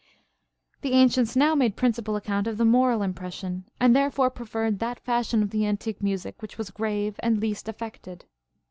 37. Tlie ancients now made principal account of the moral impression, and therefore preferred that fashion of the antique music Avhich was grave and least affected.